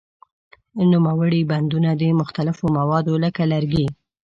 نوموړي بندونه د مختلفو موادو لکه لرګي.